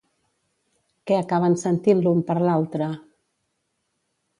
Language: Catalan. Què acaben sentint l'un per l'altre?